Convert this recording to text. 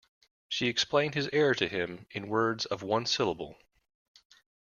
She explained his error to him in words of one syllable.